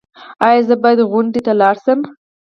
ایا زه باید غونډې ته لاړ شم؟